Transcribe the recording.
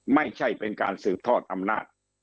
ไม่ใช่เป็นการสืบทอดอำนาจ